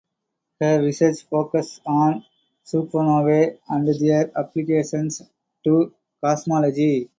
Her research focuses on supernovae and their applications to cosmology.